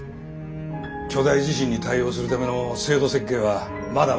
巨大地震に対応するための制度設計はまだまだこれからだ。